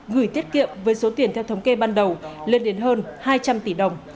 gửi tiết kiệm với số tiền theo thống kê ban đầu lên đến hơn hai trăm linh tỷ đồng